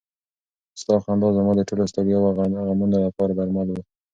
ستا خندا زما د ټولو ستړیاوو او غمونو لپاره درمل و.